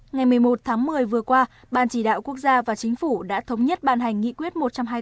ngày một mươi một tháng một mươi vừa qua ban chỉ đạo quốc gia và chính phủ đã thống nhất ban hành nghị quyết một trăm hai mươi bốn